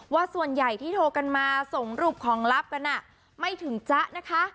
ว่าส่วนใหญ่ที่โทรกันมาส่งรูปของลับกันไม่ถึงจ๊ะนะคะ